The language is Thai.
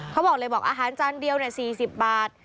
เขาบอกเลยบอกอาหารจานเดียวเนี้ยสี่สิบบาท